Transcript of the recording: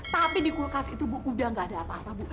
tapi di kulkas itu bu udah gak ada apa apa bu